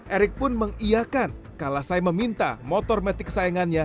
erik pun mengiakan kala saya meminta motor metik saingannya